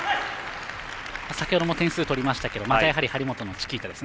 先ほども点数取りましたけどまた張本のチキータですね。